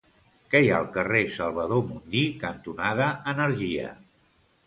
Què hi ha al carrer Salvador Mundí cantonada Energia?